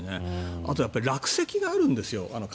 あと、落石があるんですよ。